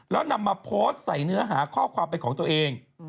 แล้วนำมาโพสต์ใส่เนื้อหาข้อความเป็นของตัวเอง